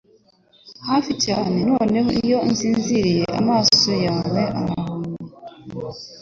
hafi cyane noneho iyo nsinziriye amaso yawe arahumye. ”